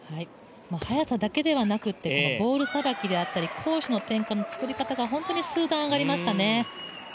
速さだけではなくてボールさばきであったり攻守の展開のつくり方が本当に数段上がりましたね。